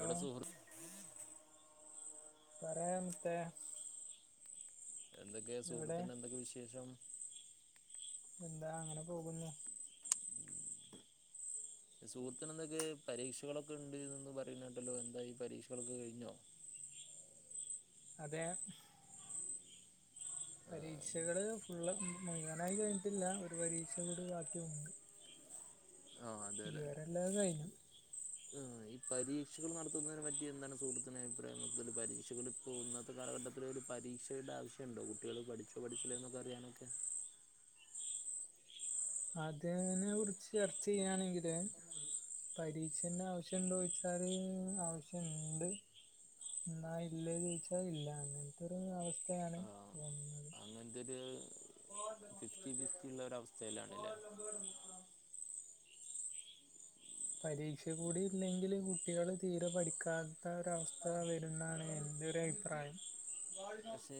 Hello വെടെ സുഹൃ പറയാ മുത്തേ എന്തൊക്കെ എവിടെ സുഹൃത്തിന്റെ എന്തൊക്കെ വിശേഷം പ്പെന്താ അങ്ങനെ പോകുന്നു സുഹൃത്തിനെന്തൊക്കെ പരീക്ഷകളൊക്കെണ്ട്ന്ന് പറയുന്ന്കേട്ടല്ലോ എന്തായി പരീക്ഷകളൊക്കെ കഴിഞ്ഞോ? അതെ ആഹ് പരീക്ഷകള് ഫുള്ളും മുയ് വനായി കയിഞ്ഞിട്ടില്ല ഒരു പരീക്ഷ കൂടി ബാക്കിയുണ്ട് ആ അതെലേ ഇതുവരെ എല്ലാം കഴിഞ്ഞു ആ ഈ പരീക്ഷകൾ നടത്തുന്നതിനെ പറ്റി എന്താണ് സുഹൃത്തിന് അഭിപ്രായം മുതൽ പരീക്ഷകള് പ്പൊ ഇന്നത്തെ കാലഘട്ടത്തില് ഒരു പരീക്ഷയുടെ ആവശ്യണ്ടോ കുട്ടികള് പഠിച്ചോ പഠിച്ചിലേ ന്നൊക്കെ അറിയാനൊക്കെ [inaudible] അതിനെ കുറിച്ച് ചർച്ച ചെയ്യാണെങ്കില് പരീക്ഷന്റെ ആവശ്യണ്ടോ ചോയിച്ചാല് ആവശ്യണ്ട്. ന്നാ ഇല്ലേ ചോയിച്ചാ ഇല്ലാന്ന്. ഇതൊരു അവസ്ഥയാ ആ അങ്ങൻത്തൊരു ഫിഫ്റ്റി ഫിഫ്റ്റി ഉള്ള ഒരവസ്ഥയിലാണ്ലേ?. പരീക്ഷ കൂടി ഇല്ലെങ്കില് കുട്ടികള് തീരെ പഠിക്കാത്ത ഒരവസ്ഥ വരുന്നാണ് എൻ്റെ ഒരു അഭി പ്രായം. പക്ഷെ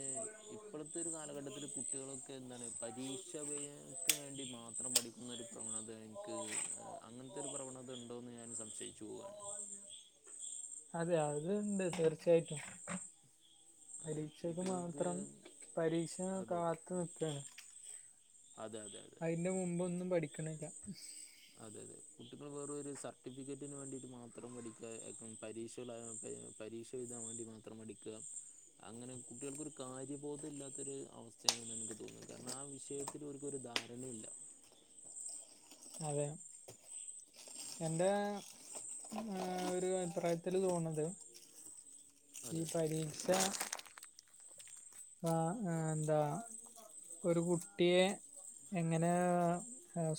ഇപ്പള് ത്തൊരു കാലഘട്ടത്തില് കുട്ടികളൊക്കെ എന്താണ് പരിഷ വേ ക്ക് വേണ്ടി മാത്രം പഠിക്കുന്ന ഒരു പ്രവണത ക്ക് അങ്ങൻത്തൊരു പ്രവണത ഉണ്ടോന്ന് ഞാന് സംശയിച്ചു പോവാണ്. അത് അത്ണ്ട് തീർച്ചയായിട്ടും. അത് പരീക്ഷക്ക് കുട്ടികൾക്ക് മാത്രം പരീക്ഷ അതെ അതെ കാത്തു നിക്കാണ്. അതെ അതെ അതെ അയിന്റെ മുമ്പൊന്നും പഠിക്കിണില്ല. അതെതെ കുട്ടികള് വേറ് ഒരു സർട്ടിഫിക്കറ്റിന് വേണ്ടീട്ട് മാത്രം പഠിക്ക കും പരീക്ഷളാപെ പരീക്ഷ എഴുതാൻ വേണ്ടി മാത്രം പഠിക്ക അങ്ങനെ കുട്ടികൾക്കൊരു കാര്യബോധം ഇല്ലാത്തൊരു അവസ്ഥയാണിന്നെനിക്ക് തോന്നും കാരണം ആ വിഷയ ത്തില് ഓൽക്കൊരു ധാരണില്ല. അതെ എന്റെ ഹ് ഒരു അഭിപ്രായത്തില് തോന്ന്ണത് ഈ അതെ പരീക്ഷ പാ ഹ് എന്താ ഒരു കുട്ടിയെ എങ്ങനെ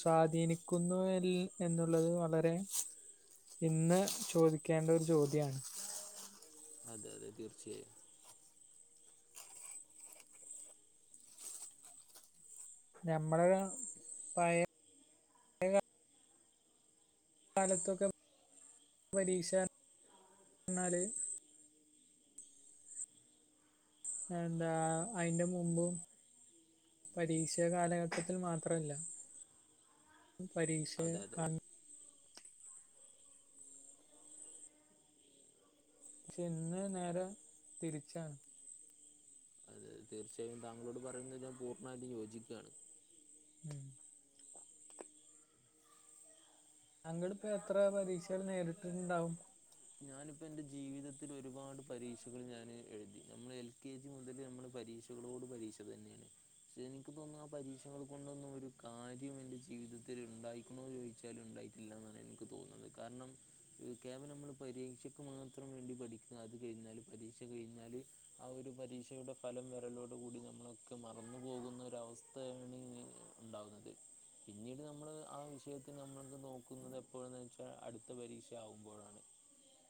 സ്വാധീനിക്കുന്നു ഇൽ എന്നുള്ളത് വളരെ ഇന്ന് ചോദിക്കേണ്ട ഒരു ചോദ്യാണ്?. അതെതെ തീർച്ചയായും. ഞമ്മള പയെ കാലത്തൊക്കെ പരീക്ഷ റഞ്ഞാല് എന്താ അയിന്റെ മുമ്പും. പരീക്ഷ കാലഘട്ടത്തിൽ മാത്രല്ല പരീക്ഷ അതെ അതെ കാണ അതെ ക്ഷെ ഇന്ന് നേരെ തിരിച്ചാണ്. ത് തീർച്ചയായും താങ്കളോട് പറയുന്നത് ഞാൻ പൂർണ്ണമായിട്ടും യോജിക്കാണ്. ഉം ഞങ്ങള്പ്പൊ എത്ര പരീക്ഷകള് നേരിട്ടിട്ടുണ്ടാവും. ഞാനിപ്പൊന്റെ ജീവിതത്തില് ഒരുപാട് പരീക്ഷകള് ഞാന് എഴുതി നമ്മള് എൽ കെ ജി മുതല് നമ്മള് പരീക്ഷ കളോട് പരീക്ഷ തന്നേണ്. പക്ഷെ എനിക്ക് തോന്നുന്നു ആഹ് പരീക്ഷകൾ കൊണ്ടൊന്നും ഒരു കാര്യം എന്റെ ജീവിതത്തിൽ ഉണ്ടായിക്കണോ ചോദിച്ചാലും ഉണ്ടായി ഇല്ലെന്നാണ് എനിക്ക് തോന്നുന്നത്. കാരണം യുക്യാബില് നമ്മൾ പരീക്ഷക്ക് മാത്രം വേണ്ടി പഠിക്കുക അത് കഴിഞ്ഞാല് പരീക്ഷ കഴിഞ്ഞാല് ആഹ് ഒരു പരീക്ഷയുടെ ഫലം വരലോടു കൂടി നമ്മളൊക്കെ മറന്നു പോകുന്ന ഒരവസ്ഥ സ്ഥാണ് ഉണ്ടാവുന്നത്. പിന്നീട് നമ്മള് ആഹ് വിഷയത്തി നമ്മൾക്ക് നോക്കുന്നത് എപ്പോഴാന്ന് വെച്ചാൽ അടുത്ത പരീക്ഷ ആകുമ്പോഴാണ്.